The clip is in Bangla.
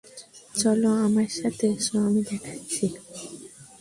চলো আমার সাথে এসো, আমি দেখাচ্ছি।